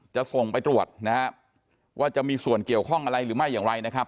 จะส่งไปตรวจนะฮะว่าจะมีส่วนเกี่ยวข้องอะไรหรือไม่อย่างไรนะครับ